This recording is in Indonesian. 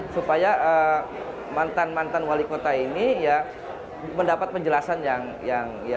supaya mantan mantan wali kota ini ya mendapat penjelasan yang ya